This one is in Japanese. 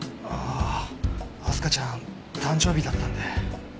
ああ明日香ちゃん誕生日だったんで。